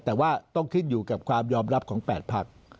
แต่ว่าต้องขึ้นอยู่กับความยอมรับของ๘พัก